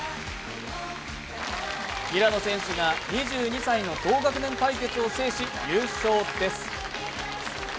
平野選手が２２歳の同学年対決を制し優勝です。